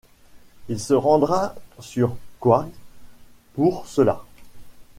Il se rendra sur Qward pour cela.